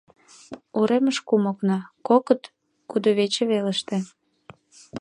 Уремыш кум окна, кокыт — кудывече велыште.